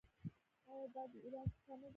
آیا دا د ایران کیسه نه ده؟